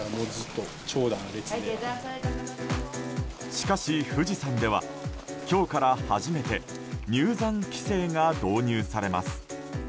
しかし、富士山では今日から初めて入山規制が導入されます。